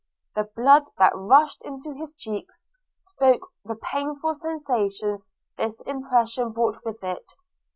The blood that rushed into his cheeks, spoke the painful sensations this impression brought with it.